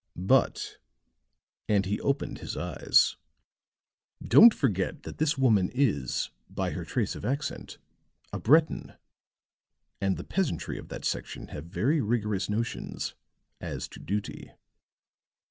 But," and he opened his eyes, "don't forget that this woman is, by her trace of accent, a Breton, and the peasantry of that section have very rigorous notions as to duty."